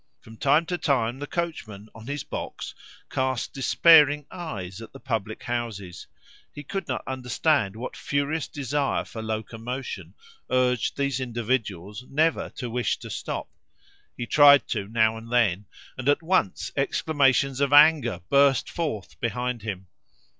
From time to time the coachman, on his box cast despairing eyes at the public houses. He could not understand what furious desire for locomotion urged these individuals never to wish to stop. He tried to now and then, and at once exclamations of anger burst forth behind him.